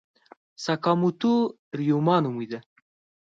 ساکاموتو ریوما نومېده.